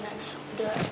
nanti nyokapnya juga mampus